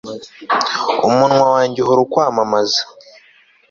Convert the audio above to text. umunwa wanjye uhora ukwamamaza